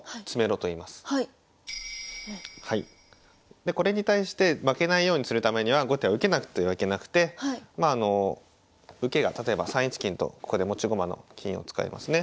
でこれに対して負けないようにするためには後手は受けなくてはいけなくて受けが例えば３一金とここで持ち駒の金を使いますね。